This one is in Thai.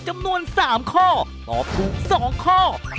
จำนวน๓ข้อตอบถูก๒ข้อ